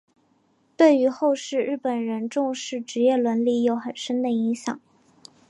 对于后世日本人重视职业伦理有很深的影响。